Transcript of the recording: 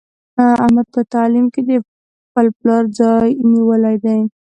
احمد په تعلیم کې د خپل پلار ځای نیولی دی.